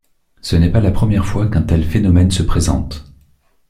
Ce n'est pas la première fois qu'un tel phénomène se présente.